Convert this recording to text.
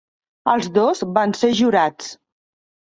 Els dos van ser jurats.